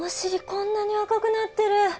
こんなに赤くなってる。